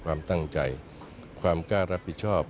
ความตั้งใจความกล้ารับผิดชอบ